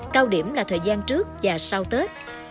cao điểm là thời gian trước và sau tết